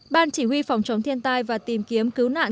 ban chỉ huy phòng chống thiên tai và tìm kiếm cứu nạn